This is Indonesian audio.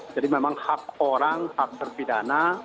jadi memang hak orang hak terpidana